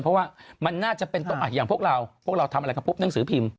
เพราะว่ามันน่าจะเป็นอย่างพวกเราพวกเราทำอะไรกับปุ๊บหนังสือพิมพ์